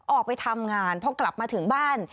ออกไปทำงานพอกลับมาถึงบ้าน